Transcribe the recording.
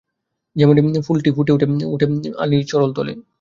যেমনি ফুলটি ফুটে ওঠে আনি চরণতলে।